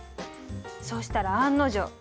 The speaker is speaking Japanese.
そしたら案の定。